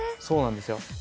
そうなんですよ。